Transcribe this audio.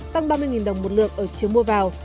tăng ba mươi đồng một lượng ở chiều mua vào